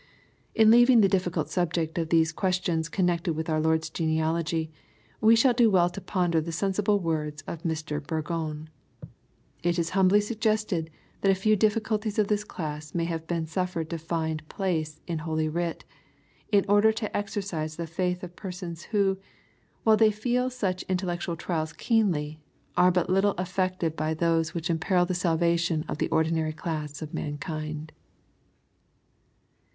In leaving the difficult subject of these questions connected with our Lord's genealogy, we shall do well tp ponder the sensible remarks of Mr. Burgon: "It is humbly suggested that a few difficulties of this class may have been suffered to find place in Holy Writ, in order to exercise the faith of persons who, while they feel such intellectual trials keenly, are but little affected by those which imperil the salvation of thie ordinary class of man kind."